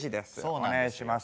お願いします。